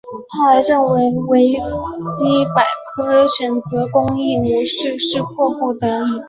他还认为维基百科选择公益模式是迫不得已。